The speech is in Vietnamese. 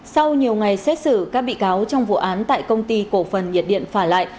sau nhiều ngày xét xử các bị cáo trong vụ án tại công ty cổ phần nhiệt điện phà lại